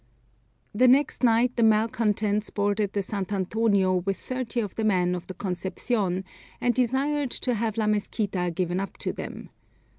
The next night the malcontents boarded the Sant' Antonio with thirty of the men of the Concepcion, and desired to have La Mesquita given up to them.